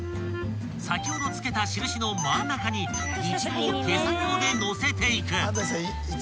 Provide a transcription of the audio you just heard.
［先ほどつけた印の真ん中にイチゴを手作業でのせていく］